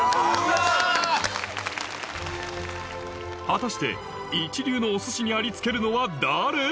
果たして一流のお寿司にありつけるのは誰？